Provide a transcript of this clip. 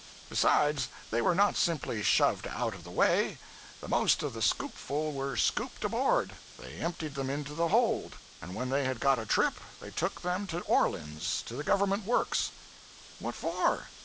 Besides, they were not simply shoved out of the way; the most of the scoopful were scooped aboard; they emptied them into the hold; and when they had got a trip, they took them to Orleans to the Government works.' 'What for?'